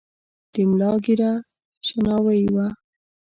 د ملا ږیره شناوۍ وه .